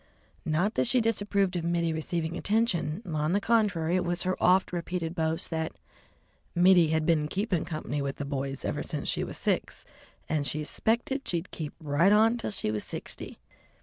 Not that she disapproved of Mittie receiving attention; on the contrary, it was her oft repeated boast that "Mittie had been keepin' company with the boys ever since she was six, and she 'spected she'd keep right on till she was sixty."